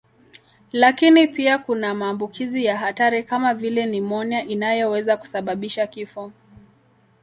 Lakini pia kuna maambukizi ya hatari kama vile nimonia inayoweza kusababisha kifo.